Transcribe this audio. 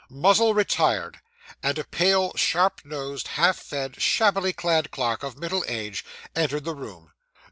Muzzle retired; and a pale, sharp nosed, half fed, shabbily clad clerk, of middle age, entered the room.